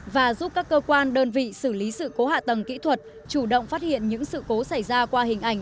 và giúp các cơ quan đơn vị xử lý sự cố hạ tầng kỹ thuật chủ động phát hiện những sự cố xảy ra qua hình ảnh